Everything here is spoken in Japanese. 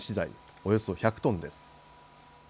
およそ１００トンです。